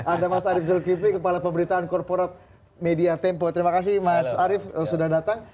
ada mas arief zulkifli kepala pemberitaan korporat media tempo terima kasih mas arief sudah datang